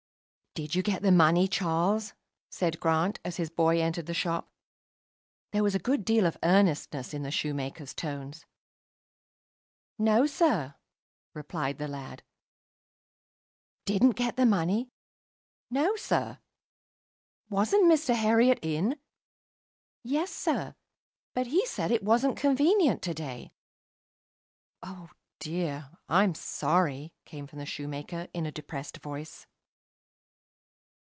"Did you get the money, Charles," said Grant, as his boy entered the shop. There was a good deal of earnestness in the shoemaker's tones. "No, sir," replied the lad. "Didn't get the money!" "No, sir." "Wasn't Mr. Herriot in?" "Yes, sir; but he said it wasn't convenient to day." "Oh, dear! I'm sorry!" came from the shoemaker, in a depressed voice.